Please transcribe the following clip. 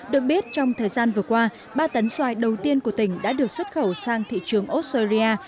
được biết trong thời gian vừa qua ba tấn xoài đầu tiên của tỉnh đã được xuất khẩu sang thị trường australia